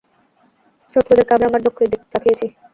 শত্রুদেরকে আমি আমার যকৃৎ চাখিয়েছি।